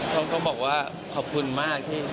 ต้องบอกว่าขอบคุณมาก